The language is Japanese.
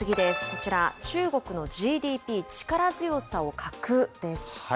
こちら、中国のＧＤＰ、力強さを欠くです。